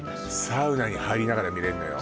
サウナに入りながら見れるのよ